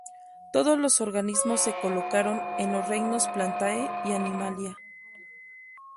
Todos los organismos se colocaron en los reinos Plantae y Animalia.